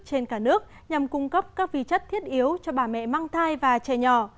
trên cả nước nhằm cung cấp các vi chất thiết yếu cho bà mẹ mang thai và trẻ nhỏ